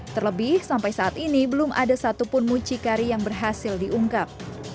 terlebih sampai saat ini belum ada satupun mucikari yang berhasil diungkap